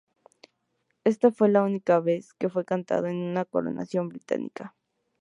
Esta fue la única vez que fue cantado en una coronación británica.